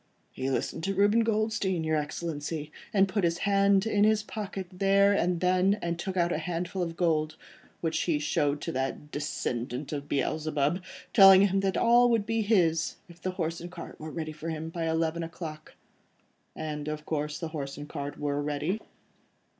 "He listened to Reuben Goldstein, your Excellency, and put his hand in his pocket then and there, and took out a handful of gold, which he showed to that descendant of Beelzebub, telling him that all that would be his, if the horse and cart were ready for him by eleven o'clock." "And, of course, the horse and cart were ready?"